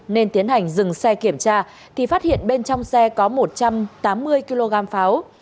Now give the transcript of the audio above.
nên tiến hành dừng xe kiểm tra thì phát hiện bên trong xe có một trăm tám mươi kg pháo